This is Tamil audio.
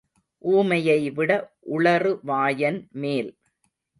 ஊமையை விட உளறு வாயன் மேல்.